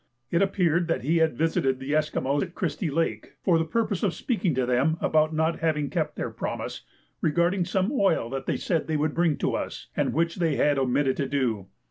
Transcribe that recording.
It appeared that he had visited the Esquimaux at Christie Lake for the purpose of speaking to them about not having kept their promise regarding some oil that they said they would bring to us, and which they had omitted to do.